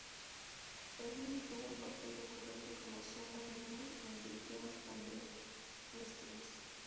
Bailey tuvo un papel recurrente como Summer Newman en "The Young and the Restless".